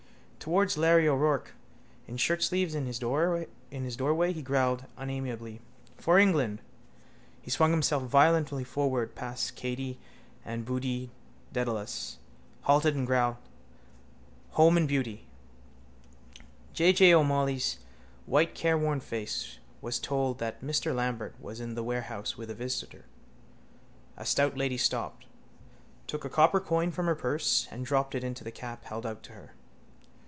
Towards Larry O'Rourke, in shirtsleeves in his doorway, he growled unamiably: —For England... He swung himself violently forward past Katey and Boody Dedalus, halted and growled: —home and beauty. J. J. O'Molloy's white careworn face was told that Mr Lambert was in the warehouse with a visitor. A stout lady stopped, took a copper coin from her purse and dropped it into the cap held out to her.